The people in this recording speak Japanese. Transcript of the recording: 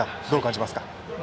どう感じますか？